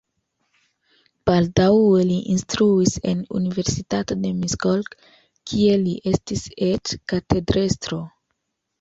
Baldaŭe li instruis en universitato de Miskolc, kie li estis eĉ katedrestro.